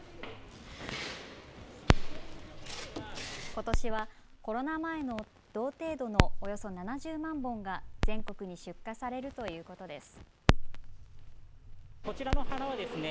ことしはコロナ前の同程度のおよそ７０万本が全国に出荷されるということです。